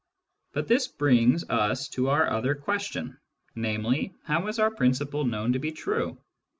But this brings us to our other question, namely, how is our principle known to be true